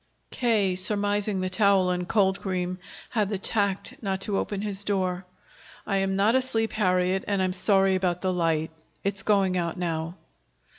K., surmising the towel and cold cream, had the tact not to open his door. "I am not asleep, Harriet, and I am sorry about the light. It's going out now."